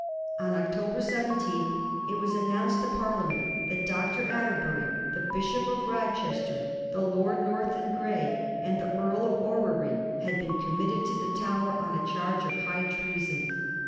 On October 17 it was announced to Parliament that Dr. Atterbury, the Bishop of Rochester, the Lord North and Grey, and the Earl of Orrery, had been committed to the Tower on a charge of high treason.